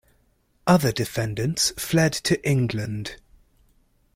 Other defendants fled to England.